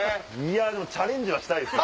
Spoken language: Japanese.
でもチャレンジはしたいですね。